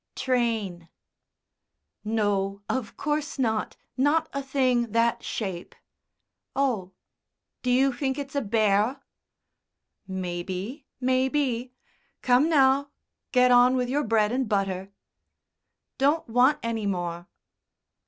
"Train." "No, of course not; not a thing that shape." "Oh! Do you think it's a bear?" "Maybe maybe. Come now, get on with your bread and butter." "Don't want any more."